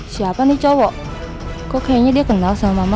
siapa nih cowok kok kayaknya dia kenal sama mama